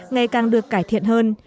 ngày càng được cải thiện hơn